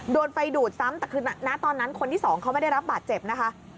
โดนไฟดูดซ้ำแต่คือณตอนนั้นคนที่สองเขาไม่ได้รับบาดเจ็บนะคะ